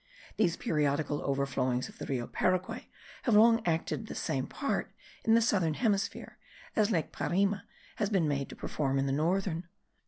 These periodical overflowings of the Rio Paraguay have long acted the same part in the southern hemisphere, as lake Parima has been made to perform in the northern.